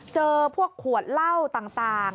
เจอพวกขวดเหล้าต่าง